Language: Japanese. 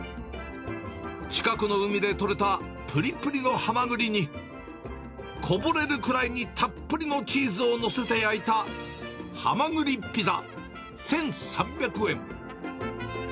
近くの海で取れたぷりぷりのハマグリに、こぼれるくらいにたっぷりのチーズを載せて焼いた、はまぐりピザ１３００円。